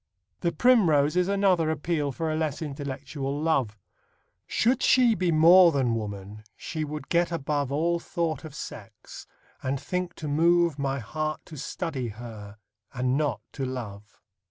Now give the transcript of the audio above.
The Primrose is another appeal for a less intellectual love: Should she Be more than woman, she would get above All thought of sex, and think to move My heart to study her, and not to love.